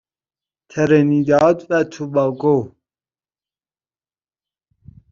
ترینیداد و توباگو